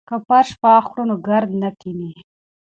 که فرش پاک کړو نو ګرد نه کښیني.